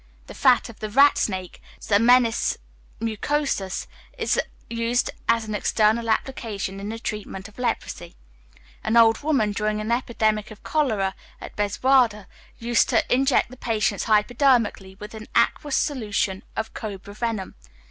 The fat of the rat snake (Zamenis mucosus) is used as an external application in the treatment of leprosy. An old woman, during an epidemic of cholera at Bezwada, used to inject the patients hypodermically with an aqueous solution of cobra venom.